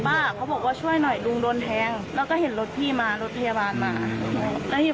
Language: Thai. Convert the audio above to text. พี่สภัยลงมาดูว่าเกิดอะไรขึ้น